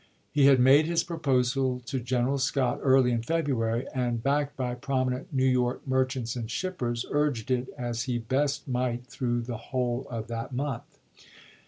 He had made his proposal to General Scott early in February, and, backed by prominent New York merchants and shippers, urged it as he best might through the whole of that month.